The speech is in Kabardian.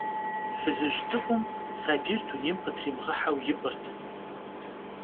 Fızıj ts'ık'um sabiyr dunêym khıtrimığeheu yip'ırt.